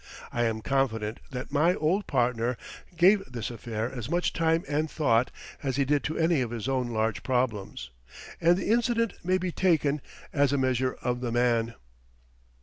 I am confident that my old partner gave this affair as much time and thought as he did to any of his own large problems, and the incident may be taken as a measure of the man.